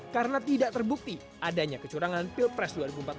karena tidak terbukti adanya kecurangan pilpres dua ribu empat belas